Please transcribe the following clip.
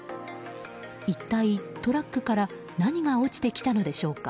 一体、トラックから何が落ちてきたのでしょうか。